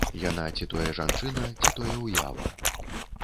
Яна ці тое жанчына, ці тое ўява.